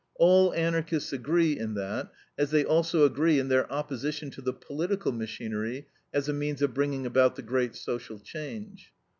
All Anarchists agree in that, as they also agree in their opposition to the political machinery as a means of bringing about the great social change.